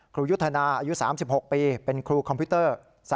ครูยุทธนาอายุ๓๖ปีเป็นครูคอมพิวเตอร์